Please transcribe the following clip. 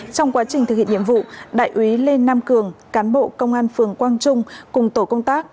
trong quá trình thực hiện nhiệm vụ đại úy lê nam cường cán bộ công an phường quang trung cùng tổ công tác